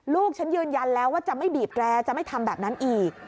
ลูกฉันยืนยันแล้วว่าจะไม่บีบแรร์จะไม่ทำแบบนั้นอีก